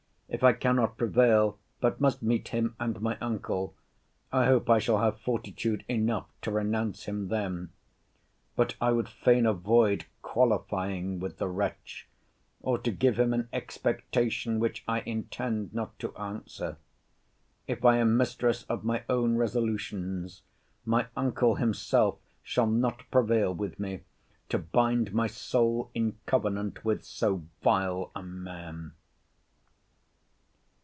If I cannot prevail, but must meet him and my uncle, I hope I shall have fortitude enough to renounce him then. But I would fain avoid qualifying with the wretch, or to give him an expectation which I intend not to answer. If I am mistress of my own resolutions, my uncle himself shall not prevail with me to bind my soul in covenant with so vile a man.